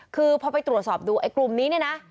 คือพอไปตรวจสอบดูไอ้กลุ่มนี้เนี่ยนะ